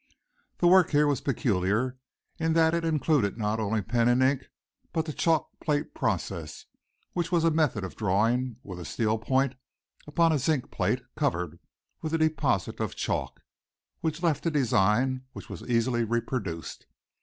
The work here was peculiar in that it included not only pen and ink but the chalk plate process which was a method of drawing with a steel point upon a zinc plate covered with a deposit of chalk, which left a design which was easily reproduced.